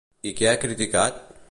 I què ha criticat?